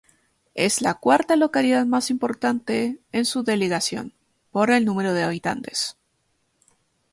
Es la cuarta localidad más importante en su delegación, por el número de habitantes.